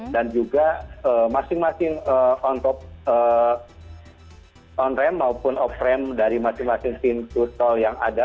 dan juga masing masing on ramp maupun off ramp dari masing masing sinu tol yang ada